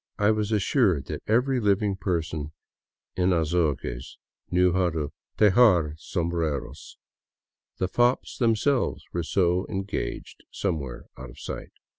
I was assured that every living person in Azogues knew how to tejar sombreros. The fops themselves were so engaged somewhere out of sight.